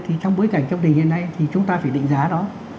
thì trong bối cảnh trong tình hiện nay thì chúng ta phải định giá đó